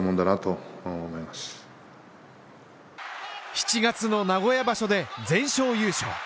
７月の名古屋場所で全勝優勝。